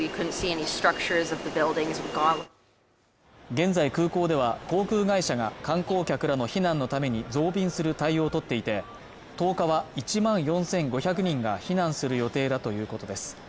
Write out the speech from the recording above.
現在空港では航空会社が観光客らの避難のために増便する対応を取っていて１０日は１万４５００人が避難する予定だということです